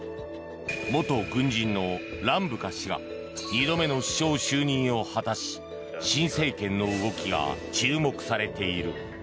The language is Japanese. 元軍人のランブカ氏が２度目の首相就任を果たし新政権の動きが注目されている。